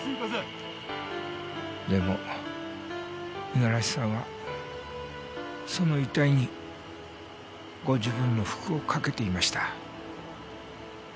でも五十嵐さんはその遺体にご自分の服をかけていました。